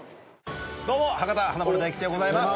どうも博多華丸・大吉でございます。